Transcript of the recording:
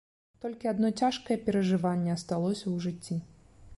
Толькі адно цяжкае перажыванне асталося ў жыцці.